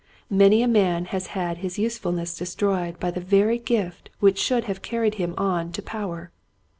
Many a man has had his usefulness destroyed by the very gift which should have carried him on to power.